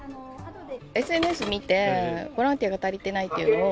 ＳＮＳ見て、ボランティアが足りてないっていうのを。